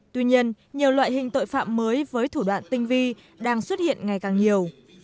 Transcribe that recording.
tuy nhiên nhiều loại hình tội phạm mới với thủ đoạn tinh vi đang xuất hiện ngày càng nhiều